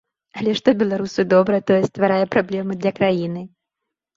Але што беларусу добра, тое стварае праблемы для краіны.